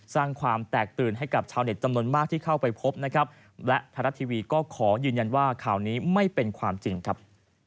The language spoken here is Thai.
สร้างความแตกตื่นให้กับชาวเน็ตจำนวนมากที่เข้าไปพบนะครับ